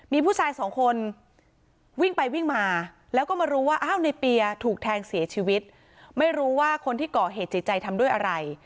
มีผู้ชายสองคนวิ่งไปวิ่งมาแล้วก็มารู้ว่าอ้าวในเปียร์ถูกแทงเสียชีวิตไม่รู้ว่าคนที่ก่อเหตุจิตใจทำด้วยอะไร